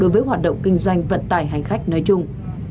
với các lực lượng chức năng